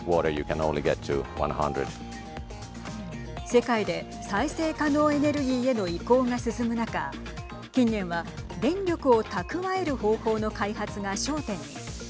世界で再生可能エネルギーへの移行が進む中近年は、電力を蓄える方法の開発が焦点に。